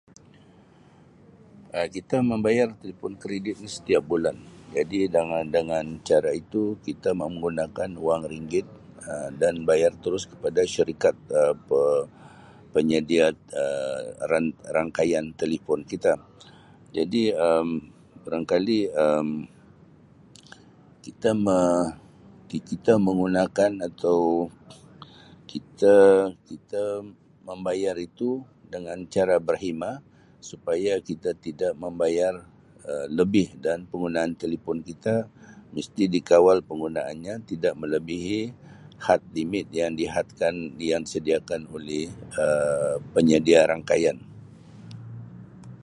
Um Kita membayar telefon kredit ini setiap bulan jadi dangan-dangan cara itu kita mau menggunakan wang ringgit Um dan bayar terus kepada syarikat Um pe-penyedia Um rang-rangkaian telefon kita jadi Um barangkali Um kita me kita menggunakan atau kita kita membayar itu dengan cara berhemah supaya kita tidak membayar Um lebih dan penggunaan telefon kita mesti dikawal penggunaanya tidak melebihi had limit yang dihadkan yang disediakan oleh Um penyedia rangkaian.